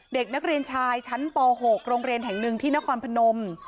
เด็กนักเรียนชายชั้นป๖โรงเรียนแห่งหนึ่งที่นครพนม